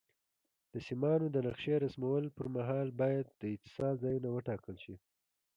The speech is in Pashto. د سیمانو د نقشې رسمولو پر مهال باید د اتصال ځایونه وټاکل شي.